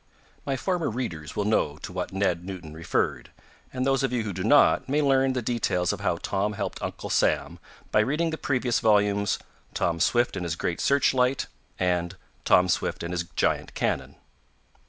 My former readers will know to what Ned Newton referred, and those of you who do not may learn the details of how Tom helped Uncle Sam, by reading the previous volumes, "Tom Swift and His Great Searchlight," and "Tom Swift and His Giant Cannon."